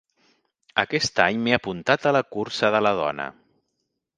Aquest any m’he apuntat a la cursa de la dona.